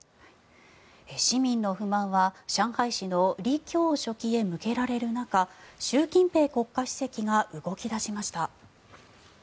市民の不満は上海市のリ・キョウ書記へ向けられる中、習近平国家主席が動き出しました。